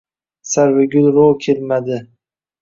sarvi gu…lroʼ kelmadi… a